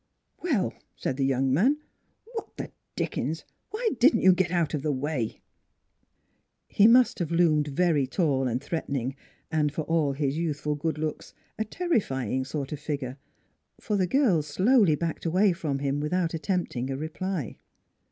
" Well !" said the young man. " What in the dickens! Why didn't you get out of the way? " He must have loomed very tall and threatening and, for all his youthful good looks, a terrifying sort of a figure, for the girl slowly backed away from him without attempting a reply.